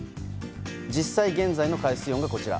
実際、現在の海水温がこちら。